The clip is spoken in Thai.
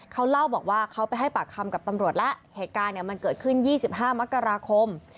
เขาเล่าบอกว่าเขาไปให้ปากคำกับตำรวจแล้วเหตุการณ์มันเกิดขึ้น๒๕มกราคม